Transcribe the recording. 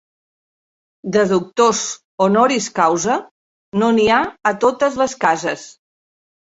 De doctors honoris causa no n'hi ha a totes les cases.